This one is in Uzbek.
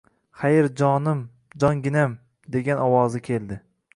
— Xayr, jonim, jonginam! — degan ovozi keldi…